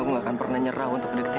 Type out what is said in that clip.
kalau kamu harus menangis